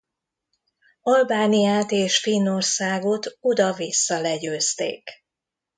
Albániát és Finnországot oda-vissza legyőzték.